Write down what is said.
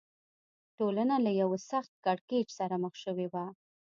ټولنه له یوه سخت کړکېچ سره مخ شوې وه.